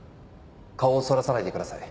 顔をそらさないでください。